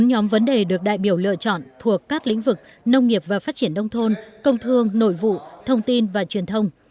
bốn nhóm vấn đề được đại biểu lựa chọn thuộc các lĩnh vực nông nghiệp và phát triển đông thôn công thương nội vụ thông tin và truyền thông